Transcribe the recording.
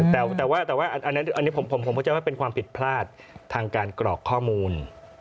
แต่ว่าอันนี้ผมเข้าใจว่าเป็นความผิดพลาดทางการกรอกข้อมูล